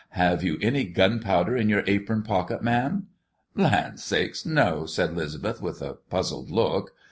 "Have you any gunpowder in your apron pockets, ma'am?" "Land sakes! no," said 'Lisbeth, with a puzzled look.